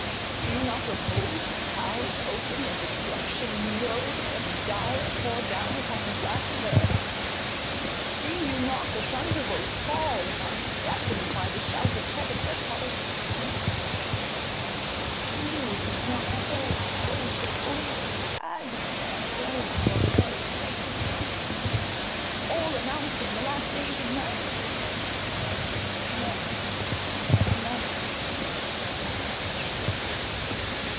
Do you not behold the clouds open, and destruction lurid and dire pour down on the blasted earth? See you not the thunderbolt fall, and are deafened by the shout of heaven that follows its descent? Feel you not the earth quake and open with agonizing groans, while the air is pregnant with shrieks and wailings,— all announcing the last days of man? No! none of these things accompanied our fall!